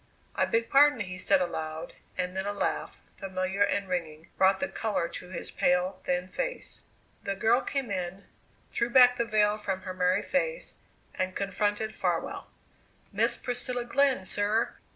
"I beg pardon," he said aloud, and then a laugh, familiar and ringing, brought the colour to his pale, thin face. The girl came in, threw back the veil from her merry face, and confronted Farwell. "Miss Priscilla Glenn, sir!